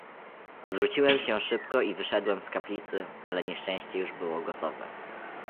"Odwróciłem się szybko i wyszedłem z kaplicy, ale nieszczęście już było gotowe."